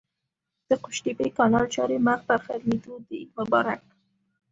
د قوشتېپې کانال چارې مخ پر ختمېدو دي! مبارک